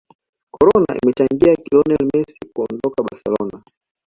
corona imechangia lionel messi kuondoka barcelona